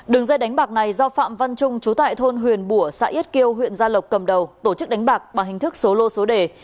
đường dây đánh bạc này do phạm văn trung chú tại thôn huyền bùa xã yết kiêu huyện gia lộc cầm đầu tổ chức đánh bạc bằng hình thức số lô số đề